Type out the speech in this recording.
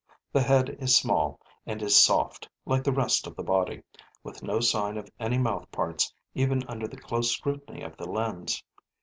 The head is small and is soft, like the rest of the body, with no sign of any mouth parts even under the close scrutiny of the lens.